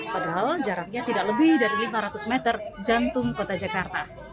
padahal jaraknya tidak lebih dari lima ratus meter jantung kota jakarta